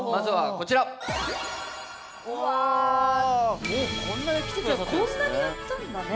こんなにやったんだね